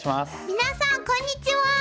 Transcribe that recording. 皆さんこんにちは！